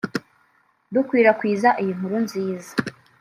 dukwirakwiza iyi nkuru nziza